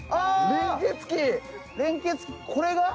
連結器これが？